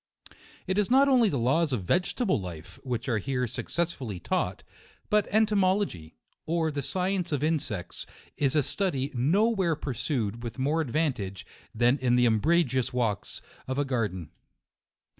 It is not only the laws of vegetable life, which are here successfully taught, but entomology, or the science of in sects, is a study no where pursued with more advantage, than in the umbrageous walks of a garden.